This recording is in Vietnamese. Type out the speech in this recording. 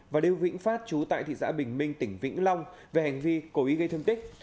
và liêu vĩnh phát chú tại thị xã bình minh tỉnh vĩnh long về hành vi cố ý gây thương tích